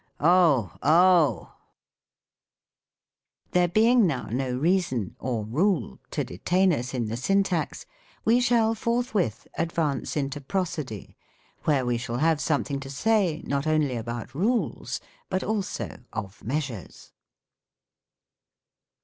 " Oh ! oh !" There being now no reason (or rule) to detain us in the Syntax, we shall forthwith advance into Prosody, where we shall have something to say, not only aboui rules, but also of measures.